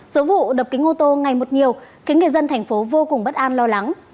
số vụ đập kính ô tô ngày một nhiều khiến người dân thành phố vô cùng bất an lo lắng